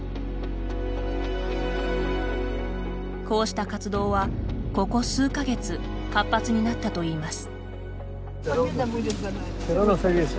こうした活動は、ここ数か月活発になったといいます。